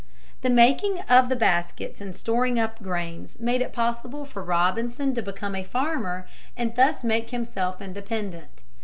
The making of the baskets and storing up grains made it possible for Robinson to become a farmer and thus make himself independent.